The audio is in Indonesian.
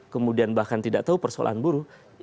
kemudian bahkan tidak tahu persoalan buruh